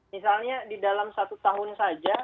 misalnya di dalam satu tahun saja